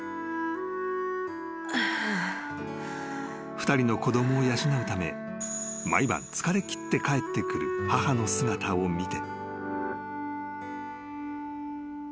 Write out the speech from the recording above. ［２人の子供を養うため毎晩疲れきって帰ってくる母の姿を見て］